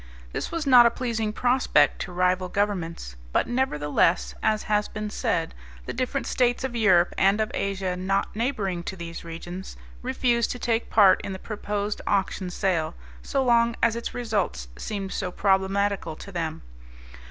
This was not a pleasing prospect to rival governments, but nevertheless, as has been said, the different States of Europe and of Asia not neighboring to these regions, refused to take part in the proposed auction sale so long as its results seemed so problematical to them.